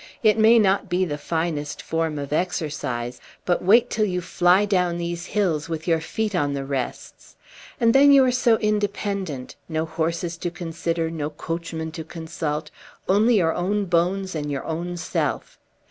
It may not be the finest form of exercise, but wait till you fly down these hills with your feet on the rests! And then you are so independent; no horses to consider, no coachman to consult; only your own bones and your own self!